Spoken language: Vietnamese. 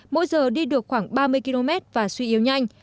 mỗi giờ đi được khoảng ba mươi km và suy yếu nhanh